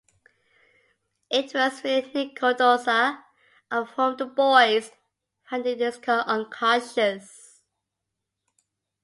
It was really Nick Cordoza, of whom the boys found in his car unconscious.